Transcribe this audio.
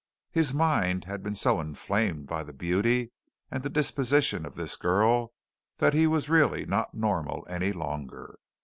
His mind had been so inflamed by the beauty and the disposition of this girl that he was really not normal any longer.